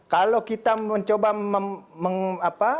kalau kita mencoba membuatnya seperti ini